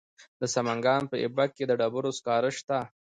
د سمنګان په ایبک کې د ډبرو سکاره شته.